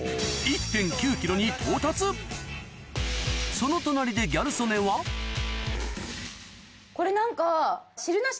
その隣でギャル曽根はハハハハ！